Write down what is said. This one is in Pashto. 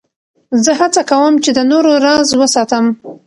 زه هڅه کوم، چي د نورو راز وساتم.